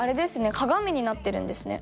鏡になってるんですね。